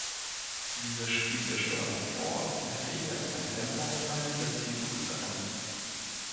Dieser spielt der Steuerung vor, es läge erst ein Tempo unterhalb der Zielgröße an.